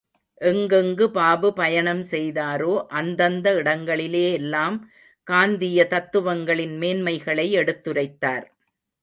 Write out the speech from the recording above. எங்கெங்கு பாபு பயணம் செய்தாரோ, அந்தந்த இடங்களிலே எல்லாம் காந்தீய தத்துவங்களின் மேன்மைகளை எடுத்துரைத்தார்.